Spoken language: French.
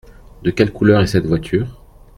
De quelle couleur est cette voiture ?